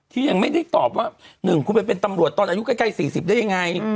ยังไม่ได้ตอบว่า๑คุณไปเป็นตำรวจตอนอายุใกล้๔๐ได้ยังไง